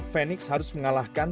fenix harus mengalahkan